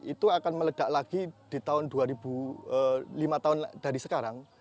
itu akan meledak lagi di tahun dua ribu lima tahun dari sekarang